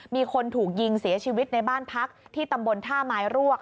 มีคนถูกยิงเสียชีวิตในบ้านพักที่ตำบลท่าไม้รวก